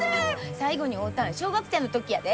最後に会うたん小学生の時やで。